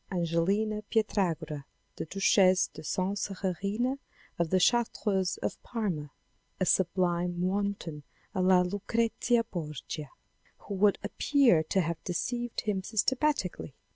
Angelina Pietragrua (the Duchesse de Sansererina of the Chartreuse of Parma), " a sublime wanton a la Lucrezia Borgia " who would appear to have deceived him systematically.